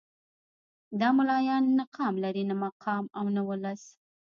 دا ملايان نه قام لري نه مقام او نه ولس.